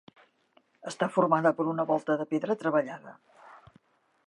Està formada per una volta de pedra treballada.